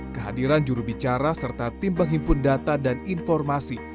kehadiran jurubicara serta tim penghimpun data dan informasi